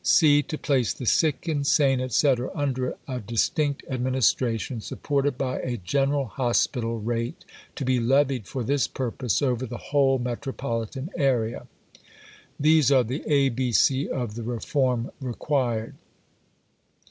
C. To place the Sick, Insane, etc., under a distinct administration, supported by a "General Hospital Rate" to be levied for this purpose over the whole Metropolitan area. These are the ABC of the reform required.